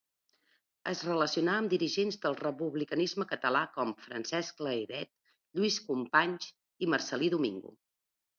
Es relacionà amb dirigents del republicanisme català com Francesc Layret, Lluís Companys i Marcel·lí Domingo.